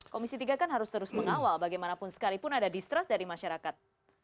komisi tiga kan harus terus mengawal bagaimanapun sekalipun ada distrust dari masyarakat